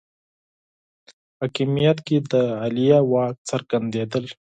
په حاکمیت کې د عالیه واک څرګندېدل